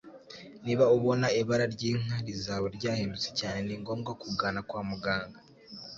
Niba ubona ibara ry'inkari zawe ryahindutse cyane, ni ngombwa kugana kwa muganga.